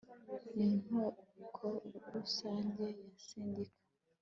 n Inteko Rusange ya Sendika